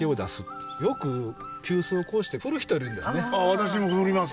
私も振ります。